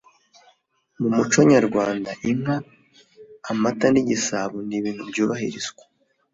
Mu muco nyarwanda inka amata nigisabo ni ibintu byubahirizwa